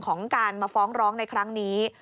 ของการมาฟ้องร้องในครั้งนี้